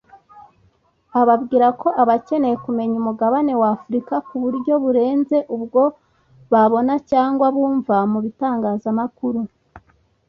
ababwira ko bakeneye kumenya umugabane w’Afurika ku buryo burenze ubwo babona cyangwa bumva mu bitangazamakuru